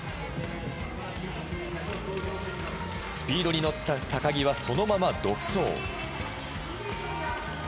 スピードに乗った高木はそのまま独走。